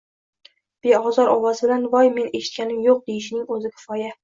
beozor ovoz bilan: “Voy, men eshitganim yo‘q”, deyishining o‘zi kifoya.